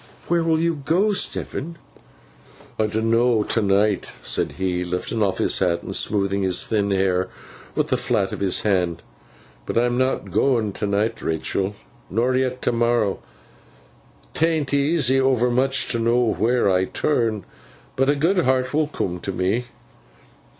'Where will you go, Stephen?' 'I donno t'night,' said he, lifting off his hat, and smoothing his thin hair with the flat of his hand. 'But I'm not goin t'night, Rachael, nor yet t'morrow. 'Tan't easy overmuch t' know wheer t' turn, but a good heart will coom to me.